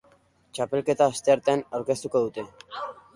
Txapelketa asteartean aurkeztuko dute.